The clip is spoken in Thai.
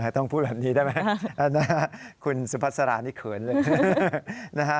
ต้องพูดแบบนี้ได้ไหมคุณสุภาษารานี่เขินเลย